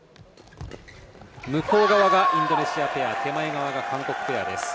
向こう側がインドネシアペア手前側が韓国ペアです。